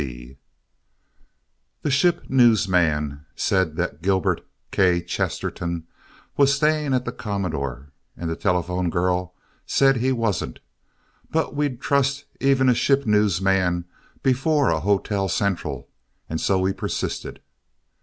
K. C. The ship news man said that Gilbert K. Chesterton was staying at the Commodore and the telephone girl said he wasn't, but we'd trust even a ship news man before a hotel central and so we persisted.